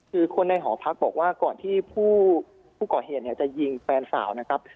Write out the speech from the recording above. คือคนในหอพักบอกว่าก่อนที่ผู้ก่อเหตุเนี่ยจะยิงแฟนสาวนะครับ